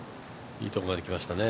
いいところまできましたね。